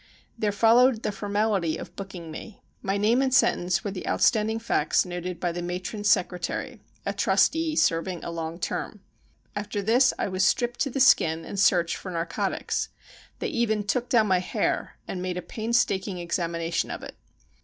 There followed the formality of booking me. My name and sentence were the outstanding facts noted by the matron's secretary, a trusty serving a long term. After this I was stripped to the skin and searched for narcotics. They even took down my hair and made a painstaking examination of it.